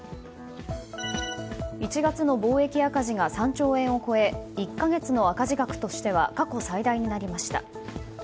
１月の貿易赤字が３兆円を超え１か月の赤字額としては過去最大になりました。